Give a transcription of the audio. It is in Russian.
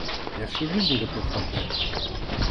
Я всю жизнь готов отдать...